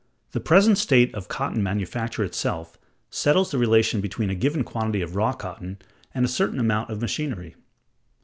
The present state of cotton manufacture itself settles the relation between a given quantity of raw cotton and a certain amount of machinery.